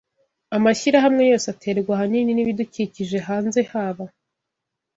Amashyirahamwe yose aterwa ahanini nibidukikije hanze haba